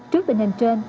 trước tình hình trên